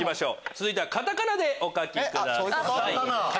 続いてはカタカナでお書きください。